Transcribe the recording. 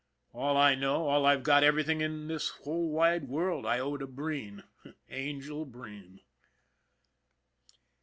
All I know, all I've got, everything in this whole wide world, I owe to Breen " Angel " Breen.